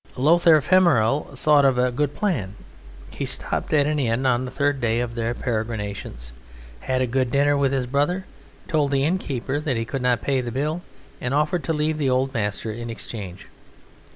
Lothair Femeral thought of a good plan: he stopped at an inn on the third day of their peregrinations, had a good dinner with his brother, told the innkeeper that he could not pay the bill, and offered to leave the Old Master in exchange.